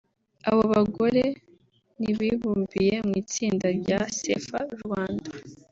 Abo bagore bibumbiye mu itsinda rya Safer Rwanda